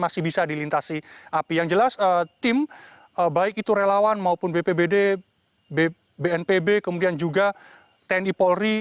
masih bisa dilintasi api yang jelas tim baik itu relawan maupun bpbd bnpb kemudian juga tni polri